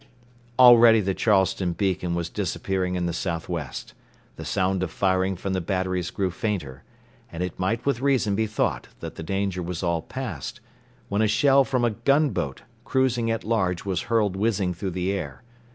Already the Charleston beacon was disappearing in the south west; the sound of firing from the batteries grew fainter, and it might with reason be thought that the danger was all past, when a shell from a gun boat cruising at large was hurled whizzing through the air.